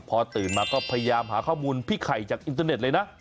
พอตื่นมาก็พยายามหาข้อมูลพี่ไข่จากอินเตอร์เน็ตเลยนะ